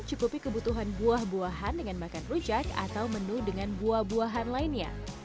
cukupi kebutuhan buah buahan dengan makan rujak atau menu dengan buah buahan lainnya